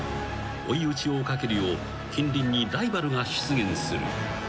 ［追い打ちをかけるよう近隣にライバルが出現する］